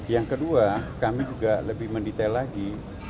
yang kedua kami juga lebih mendetail lagi